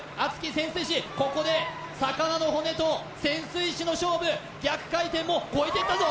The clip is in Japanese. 潜水士ここで魚の骨と潜水士の勝負逆回転も越えていったぞ！